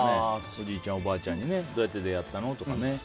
おじいちゃん、おばあちゃんにどうやって出会ったの？とか。